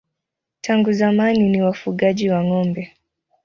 Tangu zamani ni wafugaji wa ng'ombe.